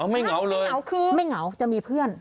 ไม่เหงาเลยเหงาคือไม่เหงาจะมีเพื่อน